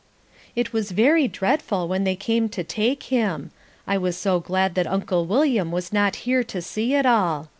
It was very dreadful when they came to take him. I was so glad that Uncle William was not here to see it all.